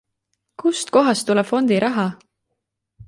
Kust kohast tuleb fondi raha?